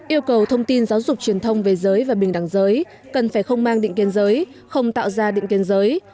yêu cầu thông tin giáo dục truyền thông về giới và bình đẳng giới cần phải không mang định kiên giới không tạo ra định kiên giới